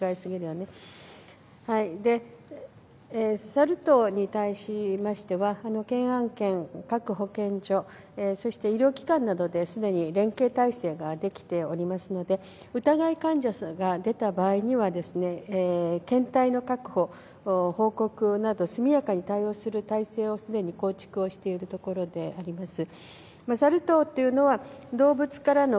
サル痘に対しましては医療機関などですでに連携体制ができておりますので、疑い患者さんが出た場合には検体の確保、報告など速やかに対応する体制をすでに構築しているところであります。